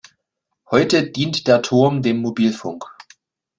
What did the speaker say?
Heute dient der Turm dem Mobilfunk.